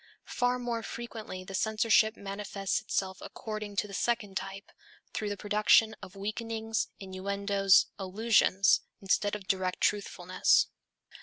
Far more frequently the censorship manifests itself according to the second type, through the production of weakenings, innuendoes, allusions instead of direct truthfulness.